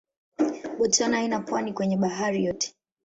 Botswana haina pwani kwenye bahari yoyote.